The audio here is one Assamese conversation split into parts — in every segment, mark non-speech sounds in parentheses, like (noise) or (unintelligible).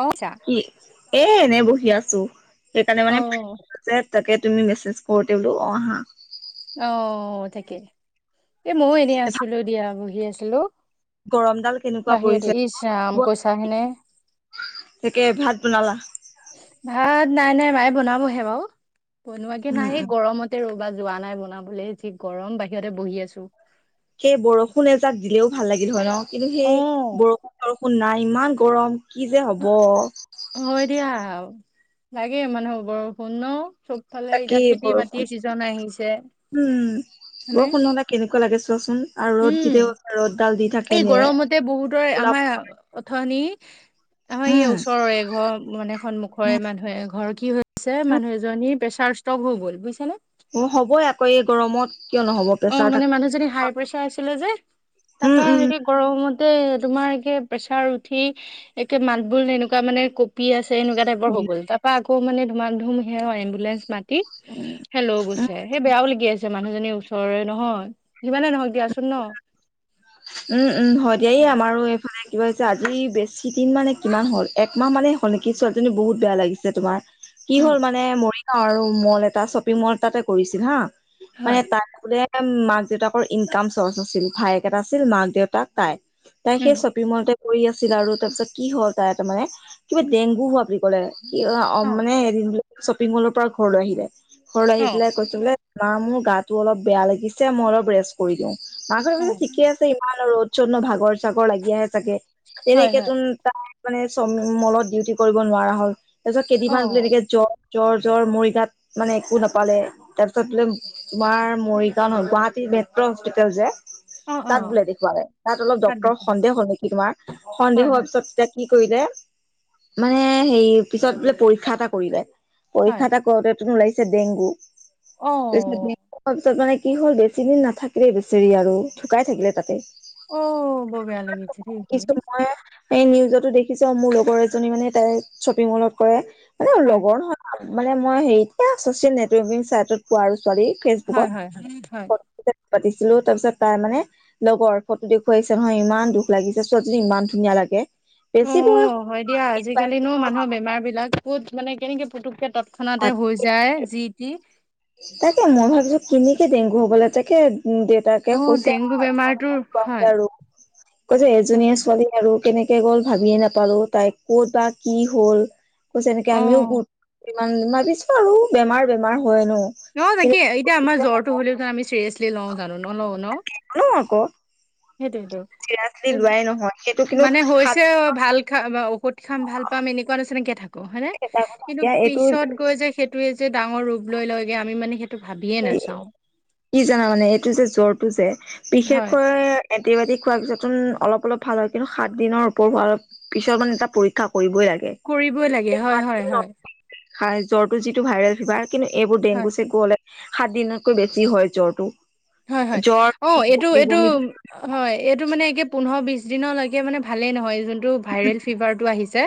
অ চা কি? এ এনে বহি আছো। সেইকাৰণে অ মানে তাকে তুমি মেছেজ কৰোতে বলো অ আহা অ তাকে, এ ময়ো এনেই আছিলো দিয়া বহি আছিলো গৰমডাল কেনেকুৱা বাহিৰতে, পৰিছে ইছ ৰাম কৈছাহেনে? তাকে, ভাত বনালা। ভাত নাই, নাই মায়ে বনাবহে বাৰু বনোৱাকে উম নাই উম গৰমতে ৰ'বা য যোৱা নাই বনাবলৈ যি গৰম বাহিৰতে বহি আছো। সেই বৰষুণ এজাক দিলেও ভাল লাগিল হয় ন, কিন্তু অ সেই বৰষুণ ষুণ নাই ইমান গৰম কি যে হ'ব। হয় দিয়া, লাগে মানুহৰ বৰষুণ ন। চবফালে এতিয়া তাকেই খেতি বৰষুণ বাতিৰ ছিজন আহিছে। উম হয়নে বৰষুণ নহলে কেনেকুৱা লাগে চোৱাচোন আৰু ৰ'দ যে উম ৰ'দ দা এই গৰমতে বহুতৰ আমাৰ অথনি আমাৰ এই উম ওচৰৰে ঘৰ মানে সন্মুখৰে উম, মানুহ এঘৰ কি হয় ছে উম। মানুহ এজনী প্ৰেচাৰ ষ্ট্ৰক হৈ গ'ল বুজিছানে। অ হ'বই আকৌ এই গৰমত কিয় নহ'ব অহ প্ৰেছাৰ মানে থাকে মানুহ জনীৰ হাই প্ৰেচাৰ আছিলে যে তাৰ উম পৰা সেনেকে গৰম মতে তোমাৰ একে প্ৰেছাৰ উঠি একে মাত বোল এনেকুৱা মানে কঁপি আছে এনেকুৱা টাইপ হৈ উম গ'ল তাৰ পৰা আকৌ মানে ধুম‌ ধুম সেও এম্বুলেঞ্চ মাতি কি হে লৈ গৈছে সেই বেয়াও লাগি আছে। মানুহজনী ওচৰৰে নহয় যিমানে নহওক দিয়াচোন ন'। উম-উম হয় দিয়া আমাৰো এইফালে কিবা হৈছে আজি বেছি দিন মানে কেইমাহ হ'ল, একমাহ মানে হ'ল নেকি ছোৱালীজনী বহুত বেয়া লাগিছে তোমাৰ। কি উম, হ'ল মানে মৰিগাঁও আৰু মল এটা, শ্বপিং মল এটাতে কৰিছিল হা মানে হয়, তাই বোলে মাক-দেউতাকৰ ইনকাম চৰ্চ আছিল, ভায়েক এটা আছিল মাক-দেউতাক তাই, তাই উম। সেই শ্বপিং মলতে কৰি আছিল আৰু তাৰপিছত, কি হ'ল তাৰমানে কিবা ডেংগু হোৱা বুলি ক'লে, কি অ' মানে এদিন বোলে শ্বপিং মলৰ পৰা ঘৰলৈ আহিলে, ঘৰলৈ আহি অ', পেলাই কৈছে বোলে মা মোৰ গাটো অলপ বেয়া লাগিছে, মই অলপ ৰেষ্ট কৰি লওঁ। মাকে ভাবিছে অ', ঠিকে আছে ইমান আৰু ৰ'দ-চ'দ ন' ভাগৰ-চাগৰ লাগি আহে চাগে, হয়, তেনেক হয়, চোন তাৰ মানে চ মলত ডিউটি কৰিব নোৱাৰা হ'ল, তাৰপিছত কেইদিনমান বোলে অ', এনেকে জ্বৰ জ্বৰ-জ্বৰ মৰিগাঁওত মানে একো নাপালে, তাৰপিছত বোলে তোমাৰ মৰিগাঁও নহয় গুৱাহাটীত মেট্ৰ' হস্পিতেল যে অ', তাত অ', বোলে দেখুৱালে, তাত অলপ ডক্তৰৰ সন্দেহ হ'ল নেকি তোমাৰ, সন্দেহ হয়, হয়। হোৱাৰ পিছত কি কৰিলে, মানে হেৰি পিছত বোলে পৰীক্ষা এটা কৰিলে। হয় পৰীক্ষা এটা কৰোঁতে চোন ওলাইছে ডেংগু, অ তাৰপিছত ডেংগু হোৱাৰ পিছত মানে কি হ'ল বেছি দিন নাথাকিলেই বেচেৰি আৰু ঢুকাই থাকিলে তাতে। অ' বৰ বেয়া লাগিছে কিছু শুনি। মই এই নিউজতো দেখিছ‌ মোৰ লগৰ এজনী মানে তাই শ্বপিং মলত কৰে, মানে হয় লগৰ নহয় মানে মই হেৰি এয়া চচিয়েল নেটৱৰ্কিং চাইটত পোৱা আৰু ছোৱালী হয় ফেচবুকত হয় হয় হয় (unintelligible) পাতিছিলো তাৰপিছত তাই মানে লগৰ, ফটো দেখুৱাইছে নহয় ইমান দুখ লাগিছে ছোৱালীজনী ইমান ধুনীয়া লাগে। বেছি বয়স উম হয় দিয়া, আজিকালি নো মানুহৰ বেমাৰ বিলাক ক'ত মানে কেনেকে পুতুককে ত থানাতে হৈ যায়, যি-টি। তাকে ময়ো ভাবিছোঁ কেনেকে ডেংগু হ'বলে তাকে উম দেউতাকে অ কৈছে ডেংগু বেমাৰটোৰ (unintelligible) হয় আৰু কৈছে হয়। এজনীয়ে ছোৱালী আৰু কেনেকে গ'ল ভাবিয়ে নাপালো, তাই ক'ত বা কি হ'ল কৈছে এনেকে অ আমিও গু ইমান ভাবিছো আৰু বেমাৰ-বেমাৰ হয় ন'। অ' কিন্তু তাকে এতিয়া আমাৰ জ্বৰটো হ'লেও আমি চিৰিয়াচলি লওঁ জানোঁ। (unintelligible) অ' আকৌ সেইটোৱেটো চিৰিয়াচলি লোৱাই নহয় সেইটো কিন্তু মানে সাত হৈছে অ' ভাল খা ঔষধ খাম ভাল পাম, এনেকুৱা নাছিনাকে থাক হয়নে, এটা কথা কিন্তু এতিয়া এইটো পিছত গৈ যে সেইটোৱে যে ডাঙৰ ৰূপ লৈ লৈগে আমি মানে সেইটো ভাবিয়ে নাচাওঁ। কি জানা মানে, এইটো যে জ্বৰটো যে হয় বিশেষকৈ এণ্টিবায়টিক খোৱাৰ পিছত‌ চোন অলপ-অলপ ভাল হয়, কিন্তু সাত দিনৰ ওপৰ হোৱাৰ পিছত মানে এটা পৰীক্ষা কৰিবই লাগে। কৰিবই লাগে সেই হয় সাত হয় হয় (unintelligible) জ্বৰটো যিটো ভাইৰেল ফিভাৰ, কিন্তু এইবোৰ হয় ডেংগু-চেংগু হ'লে সাত দিনতকৈ বেছি কি হয় জ্বৰটো হয়-হয়, অ' বমি এইটো-এইটো বমি হয় এইটো মানে একে পোন্ধৰ বিশ দিনলৈকে মানে ভালেই নহয়, যোন যিটো ভাইৰেল ফিভাৰটো আহিছে,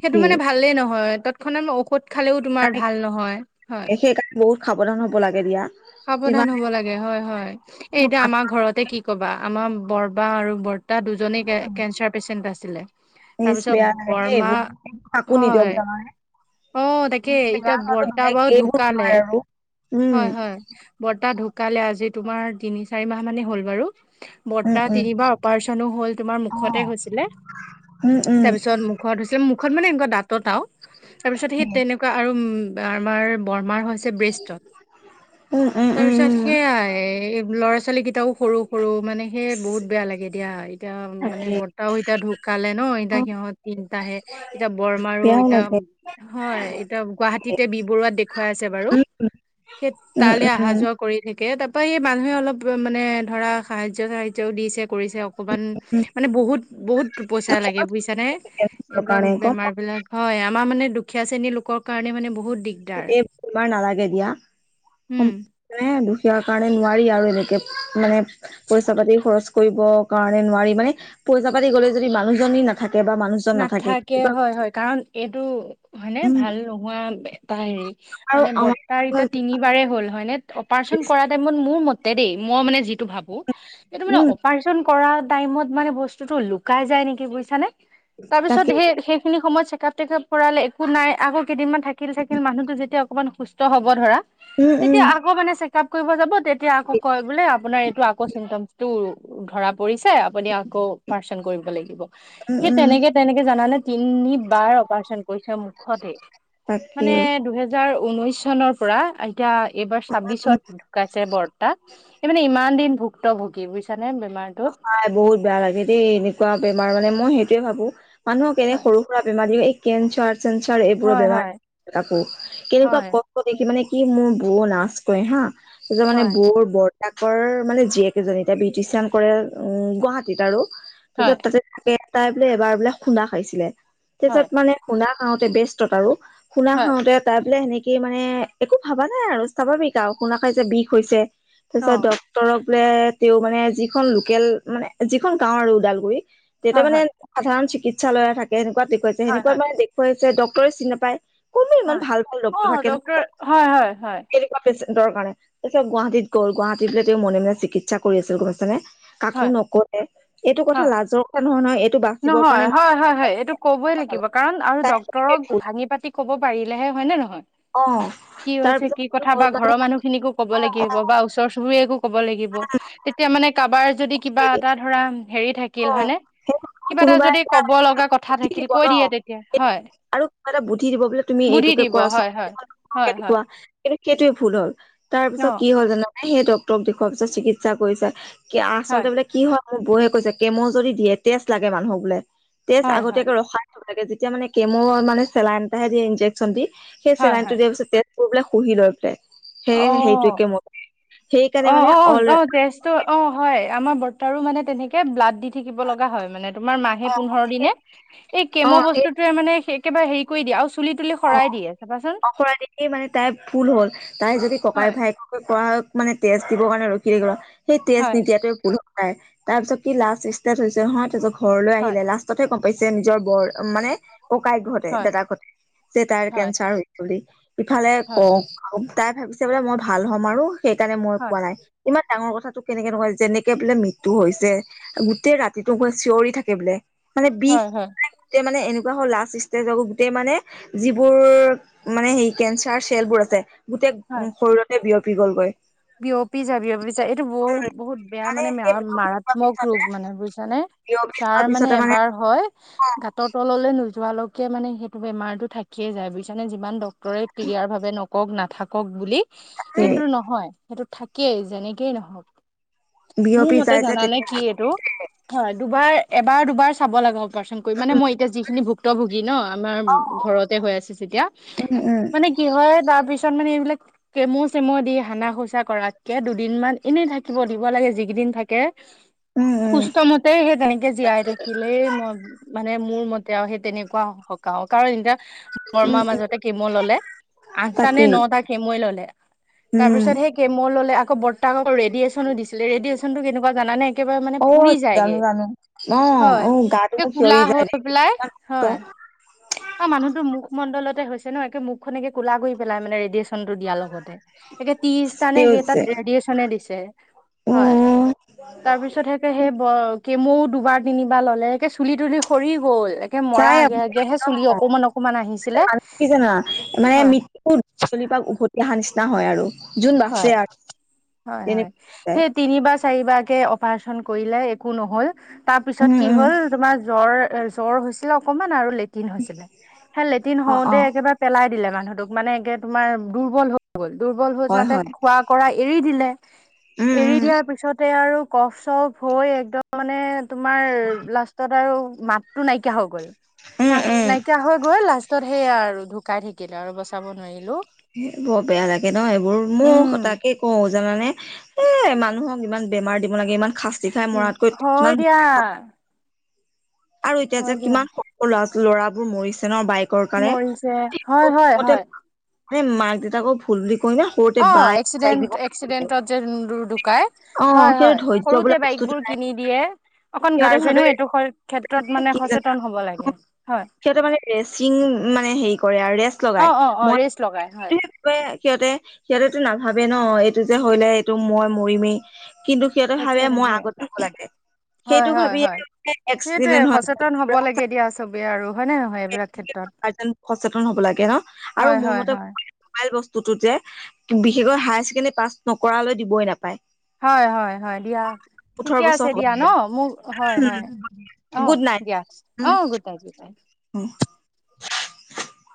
সেইটো মানে ভালে নহয় তৎক্ষণাৎ নো ঔষধ খালেও তোমাৰ সেইকাৰণে ভাল নহয়, হয় সেইকাৰণে বহুত সাৱধান হ'ব লাগে দিয়া। সাৱধান যিমানে হ'ব লাগে হয়-হয়, এই এতিয়া আমাৰ ঘৰতে কি কবা আমাৰ বৰ্মা আৰু বৰ্তা দুজনেই কে কেঞ্চাৰ পেচেণ্ট আছিলে। নিজ তাৰপিছত বেয়া লাগে দেই বৰমা, এইবোৰ কাকো নিদিয়ক হয় জানানে অ' তাকে। এতিয়া বেমাৰ হোৱাটো বৰতা বেলেগ বাৰু এইবোৰ ঢুকালে, বেমাৰ আৰু উম হয় - হয়। বৰতা ঢুকালে আজি তোমাৰ তিনি-চাৰি মাহ মানে হ'ল বাৰু। উম বৰতা তিনিবাৰ অপাৰেশ্যনো হ'ল। তোমাৰ মুখতে হৈছিলে। উম উম তাৰপিছত মুখত হৈছিল। মুখত মানে এনেকুৱা দাঁত তত আও। তাৰপিছত সেই উম তেনেকুৱা আৰু উম- আমাৰ বৰমাৰ হৈছে ব্ৰেষ্টত। উম, উম, তাৰপিছত উম। সেয়াই এ ল'ৰা-ছোৱালী কেইটাও সৰু-সৰু, মানে সেই বহুত বেয়া লাগে দিয়া। এতিয়া মানে তাকে। বৰতাও এতিয়া ঢু কালে ন', এতিয়া অ', সিহঁত তিনটাহে। এতিয়া বৰমাৰো বেয়াও এতিয়া লাগে। হয়, এতিয়া গুৱাহাটীতে বি বৰুৱাত দেখুৱাই আছে বাৰু। সেই উম, তালৈ উম, উম। আহা-যোৱা কৰি থাকে। তাৰপৰা এই মানুহে অলপ মানে ধৰা সাহায্য-চাহায্য‌ও দিছে কৰিছে অকনমান, মানে বহুত - বহুত পইচা লাগে বুজিছা নে, এইবিলাক কাৰণে গম বেমাৰবিলাক হয়। আমাৰ মানে দুখীয়া শ্ৰেণী লোকৰ কাৰণে মানে বহুত দিগদাৰ এইবোৰ তোমাৰ নালাগে দিয়া। উম সোম (inaudible) পাই আৰু ইয়াৰ কাৰণে নোৱাৰি আৰু এনেকে, মানে পইচা-পাতি খৰচ কৰিব কাৰণে নোৱাৰি, মানে পইচা-পাতি গ'লে যদি মানুহজনী নাথা নাথাকে হয় - হয়, কাৰণ এইটো হয়নে? উম, ভাল নোহোৱা এটা হেৰি, আৰু মানে আমাৰ বৰতাৰ এতিয়া তিনিবাৰে হ'ল, হয়নে? অপাৰেশ্যন কৰা টাইমত মোৰ মতে দেই, মই মানে যিটো ভাবো। এইটো মানে উম, অপাৰেশ্যন কৰা টাইমত মানে বস্তুটো লুকাই যায় নেকি বুইছানে? তাকে তাৰপিছত সেই- সেইখিনি সময় চে কাপ-টেকাপ কৰালে, একো নাই। আকৌ কেইদিনমান থাকিল-ছাকিল। মানুহটো যেতিয়া অকণমান সুস্থ হব ধৰা উম, উম, তেতিয়া আকৌ মানে চেক-আপ কৰিব যাব, তেতিয়া আকৌ কয় বোলে আপোনাৰ এইটো আকৌ ছিমটমছটো ধৰা পৰিছে। আপুনি আকৌ অপাৰেশ্যন কৰিব লাগিব। উম - উম। জানা নে? তিনিবাৰ অপাৰেশ্যন কৰিছে মুখতে। মানে তাকে। দুহেজাৰ ঊনৈশ চনৰ পৰা এতিয়া এইবাৰ ছাব্বিশত ঢুকাইছে বৰতা। এই মানে ইমান দিন ভুক্তভোগী বুইছা সঁচাই বহুত বেয়া লাগে দেই এনেকুৱা বেমাৰ মানে মই সেইটোৱে ভাবো। মানুহক এনে হয় সৰু-সুৰা বেমাৰ দিলে এই কেঞ্চাৰ চেঞ্চাৰ এইবোৰৰ হয় বেমাৰ হয় (inaudible) আকৌ। কেনেকুৱা হয় কষ্ট দেখি মানে ই মোৰ বৌ লাজ কৰে হা। তাৰ পিছত মানে হয় বৌৰ বৰ তাকৰ মানে জীয়েকেইজনী। এতিয়া বিউটিচিয়ান কৰে, উম গুৱাহাটীত আৰু। তাৰপিছত হয় তাছত তে তাই বোলে এবাৰ বোলে খুন্দা খাইছিলে। তাৰছত হয় মানে খুন্দা অ' তে বেস্তত আৰু। খুন্দা হয় খাওঁতে তাই বোলে সেনে কি মানে, একো ভবা নাই আৰু। ‌ স্বাভাৱিক আৰু, খুন্দা খাই যে বিষ হৈছে। তাৰপিছত অ', ডক্তৰক লে তেওঁ মানে যিখন লোকেল- মানে যিখন গাওঁ আৰু ওদালগুৰি তেতিয়া হয়, মানে হয়, সাধাৰণ চিকিৎসালয় থাকে, সেনেকুৱাত দেখুৱাইছে। হয়, সেনেকুৱাত হয়, মানে দেখুৱাই ছে ডক্টৰে চিনি নাপায়। কোনে ইমান হয়। ভালকৈ ডক্টৰ অ', থাকেনো? ডক্তৰ হয়, হয়, হয়, কেনেকুৱা পেছেণ্ট ৰ কাৰণে। তাৰছত গুৱাহীত গ'ল। গুৱাহাটীত তেওঁ মনে - মনে চিকিৎসা কৰি আছিল, গম পাইছা নে? কাকো হয়, নকলে। এইটো কথা হয়, লাজৰ কথা নহয়, নহয়। এ নহয়, হয় - হয় - হয়। এইটো কবই লাগিব, কাৰণ আৰু তাই ডক্টৰক ভাঙি পাতি ক'ব পাৰিলেহে, হয় নে নহয়? অ'। কি হৈছে, তাৰপিছত কি কথা হ'ল বা মানে ঘৰৰ মানুহখিনিকো ক'ব লাগিব বা ওচৰ চুবুৰীয়াকো ক'ব লাগি ব। তেতিয়া মানে কাৰোবাৰ যদি কিবা এটা ধৰা হেৰি অ থাকিল হয় নে সেই কিবা এটা কোনোবা যদি কব লগা কথা বুদ্ধি থাকিল, দিব ন কৈ দিয়ে তেতিয়া। সেইটো হয়। আৰু কিবা এটা বুদ্ধি দিব, বোলে তুমি বুদ্ধি এইটোকে দিব কৰাচোন। হয়, হয়। (inaudible) হয়, এইটো হয়, খোৱা সেইটোৱে ভুল হ'ল। তাৰ পিছত অ', কি হ'ল জানানে? সেই ডক্তৰক দেখুওৱাৰ পিছত চিকিৎসা কৰিছে কি আচলতে হয়, বোলে কি হয়, মোৰ বৌৱে কৈছে কেমো যদি দিয়ে, তেজ লাগে মানুহক বোলে। তেজ হয়, হয়, আগতীয়াকে ৰখাই থব লাগে, যেতিয়া মানে কেমোৰ মানে চেলাইন এটাহে দিয়ে, ইনজেকশ্যন দি। সেই হয়, হয়, হয়, চেলাইনটো দিয়াৰ পিছত তেজবোৰ বোলে শুহি লয় বোলে। অ, সেইকাৰণে মানে অল অ-অ-অ তেজটো, অ হয়। আমাৰ বৰ্তাৰো মানে তেনেকে ব্লাড দি দি থাকিব লগা হয় মানে তোমাৰ মাহে অ পোন্ধৰ সেই দিনে। এই অ কেম' সেই বস্তুটোৱে মানে একেবাৰ হেৰি কৰি দিয়ে আও অ অখৰা দেখিয়েই মানে তাই ভুল হ'ল, তাই যদি ককাই হয় -ভাইক মানে তেজ দিবৰ কাৰণে ৰখি থাকিলো হয়, সেই তেজ হয় নিদিয়াতোয়ে ভুল হল। তাৰ পিছত কি লাষ্ট ষ্টেৰ্ট হৈছে নহয় তাৰ পিছত ঘৰলৈ হয় আহিলে লাষ্টতহে গম পাইছে নিজৰ বৰ মানে ককাইক ঘতে হয় দেতাক ঘতে যে তাইৰ কেঞ্চাৰ হয় বুলি ইফালে ক হয় তাই ভাবিছে বোলে মই ভাল হ'ম আৰু সেইকাৰণে মই হয় পোৱা নাই। ইমান ডাঙৰ কথাটো কেনেকে নকয় যেনেকে বোলে মৃত্যু হৈছে গোটেই ৰাতিটো ক চিঞৰি থাকে বোলে। মানে বিষ হয় হয় নাই, গোটেই মানে এনেকুৱা হ'ল লাষ্ট ষ্টেজ, আক গোটেই মানে যিবোৰ মানে সেই কেঞ্চাৰ চেলবোৰ আছে, গোটেই হয় শৰীৰতে বিয়প- পি গ'ল গৈ। বিয়পি যাবিয় পিছে এইটো বহুত বহুত বেয়া মানে সেই মাৰাত বিয়পি যোৱাৰ মাৰাত্মক ৰূপ পিছতে মানে বুজিছানে। বিয়পি ছাৰ যোৱাৰ মানে পিছতে এবাৰ হয় গাতৰ তললৈ নোয- যোৱালৈকে মানে সেইটো বেমাৰতো থাকিয়ে যায়, বুজিছানে, যিমান ডক্তৰে ক্লিয়াৰ ভাৱে নকওঁক। কওক না থাকক বুলি কিন্তু নহয় সেইটো থাকেই যেনেকৈ নহওক। মোৰ বিয়পি মতে যাই যে জানানে তেতিয়া কি এইটো, হয় দুবাৰ এবাৰ দুবাৰ চাব লাগে। পাৰচন কৰি মানে মই এতিয়া যিখিনি ভুক্তভোগী ন আমাৰ ঘৰতে হৈ আছে যেতিয়া উম উম মানে কি হয় তাৰ পিছত মানে এইবিলাক কেমু চেমু দি হানা খোচাক কৰাতকে দুদিনমান এনেই থাকিব দিব লাগে, যিকেইদিন থাকে। উম উম সুস্থ মতে সেই তেনেকে জীয়াই থাকিলেই মই মানে মোৰ মত- তেওঁ হে তেনেকুৱা সকাও কাৰণ এতিয়া বৰমা উম উম মাজতে কেমু ল'লে, আঠটা নে তাকেই নটা কেমুৱে ল'লে। উম তাৰপিছত সেই কেমু ললে আকৌ বৰ তাক আকৌ ৰেডিয়েচনো দিছিলে, ৰেডিয়েচন টো কেনেকুৱা জানে একেবাৰে মানে অ পুৰি যায়গে। জানো জানো অ হয়। অ গাটো এ মোৰ কোলা সিঞৰি হৈ যায় দেই পেলাই, হয়। অ মানুহটোৰ মুখমণ্ডলত হৈছে ন একে মুখখন একে ক'লা কৰি পেলাই মানে ৰেডিয়েচনটো দিয়া লগতে, এতিয়া তিছ নে কি তাত যে ৰেডিয়েচনে দিছে। ‌ অ হয়, তাৰ পিছত সেই কেই হে ব কে মৌও দুবাৰ তিনিবাৰ ল'লে। একে চুলি তুলি সৰি গ'ল একে মৰা যাই আগে আগেহে চুলি অকমান অকমান আহিছিলে। কি জানা মানে হয় মৃত্যুত গলি পা উভতি অহা নিচিনা হয় আৰু। যোন বাচে হয় আৰু হয় হয় তেনেকে যায় সেই তিনিবা চাৰি বাৰকে অপাৰচন কৰিলে, একো নহল তাৰ পিছ উম উম কিহল তোমাৰ জৰ এ জ্বৰ হৈছে অকণমান আৰু লেট্ৰিন হৈছিলে, সেই লেট্ৰিন অ অ হওঁতে একেবাৰে পেলাই দিলে মানুহটোক মানে একে তোমাৰ দুৰ্বল হ'ল। হ'ল, দুৰ্বল হৈ হয় যাওঁতে হয় খোৱা কৰা এৰি দিলে উম এৰি উম দিয়াৰ পিছতে আৰু কফ- চব হৈ একদম মানে তোমাৰ লাষ্টত আৰু মাতটো নাইকিয়া হৈ গ'ল। উম উম নাইকিয়া হৈ গৈ লাষ্টত সেই আৰু ঢুকাই থাকিলে আৰু বচাব নোৱাৰিলো। বৰ বেয়া লাগে ন এইবোৰ মোৰ উম সচাকে কওঁ জানানে এ মানুহক ইমান বেমাৰ দিব লাগে ইমান শাস্তি খাই মৰাতকৈ হয় কিমান দিয়া আৰু এতিয়া হয় যে দিয়া কিমান সৰু ল'ৰা-ল'ৰাবোৰ মৰিছে ন বাইক মৰিছে, হয় হয় হয়। এ মাক দেউতাকৰ ভুল বুলি কৈ না সৰুতে অ বাইক চাইক এক্সিডেণ্ট দিব নালাগে এক্সিডেন্টত যে ঢুকাই অ হয় সেই হয় ধৈৰ্য্য বোলা সৰুতে বাইক বস্তুটো বোৰ নাই কিনি দিয়ে অকন সিহঁতে ভাবে গাৰ্জেনো এইটো হৰ ক্ষেত্ৰত মানে কি জানা সচেতন হ'ব লাগে হয়। সিহঁতে মানে ৰেচিং মানে হেৰি কৰে আৰু ৰেষ্ট অ লগাই অ অ মই ৰেচ লগাই হয় (unintelligible) সিহঁতে সিহঁতেটো নাভাবে ন এইটো যে হ'লে এইটো মই মৰিমেই। কিন্তু সিহঁতে তাকে ভাৱে মই তাকে আগত যাব লাগে হয় সেইটো হয় ভাবিয়ে হয় তেওঁলোকে সেইটোয়ে এক্সিডেণ্ট হৈ সচেতন হব লাগে দিয়া (unintelligible) চবে আৰু হয় নে নহয় এইবিলাক ক্ষেত্ৰত সচেতন হব লাগে ন আৰু হয় মোৰ হয় মতে হয় ম'বাইল বস্ত- টোতো যে বিশেষকৈ হায়াৰ ছেকেণ্ডৰী পাছ নকৰা কৈ দিবই নাপায়। হয়-হয়-হয় দিয়া, ওঠৰ ঠিকে আছে বছৰ হ'ব দিয়া ন, মোক হয়-হয় অ গুড নাইট দিয়া। অ, গুডনাইট, গুডনাইট। উম।